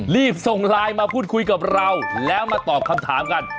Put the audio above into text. รีบส่งไลน์มาพูดคุยกับเราแล้วมาตอบคำถามกัน